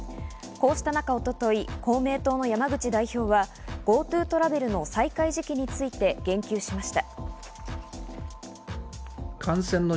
こうした中、一昨日、公明党の山口代表はＧｏＴｏトラベルの再開時期について言及しました。